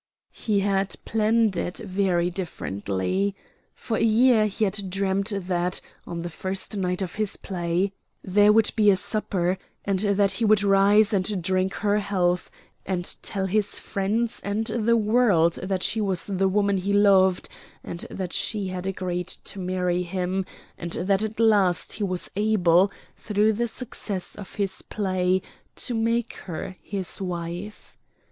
He had planned it very differently. For a year he had dreamed that, on the first night of his play, there would be a supper, and that he would rise and drink her health, and tell his friends and the world that she was the woman he loved, and that she had agreed to marry him, and that at last he was able, through the success of his play, to make her his wife.